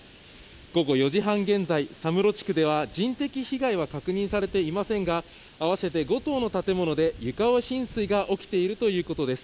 午後４時半現在、佐室地区では人的被害は確認されていませんが、合わせて５棟の建物で床上浸水が起きているということです。